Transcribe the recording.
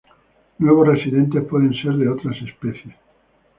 Nuevos residentes pueden ser de otras especies.